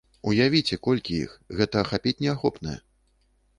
Уявіце, колькі іх, гэта ахапіць неахопнае.